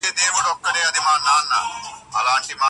ځي لکه هوسۍ وي تورېدلې سارانۍ -